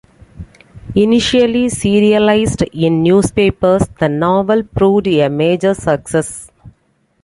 Initially serialized in newspapers, the novel proved a major success.